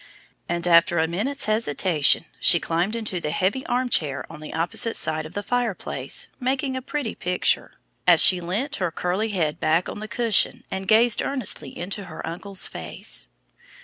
And after a minute's hesitation she climbed into the heavy armchair on the opposite side of the fireplace, making a pretty picture, as she leaned her curly head back on the cushion and gazed earnestly into her uncle's face.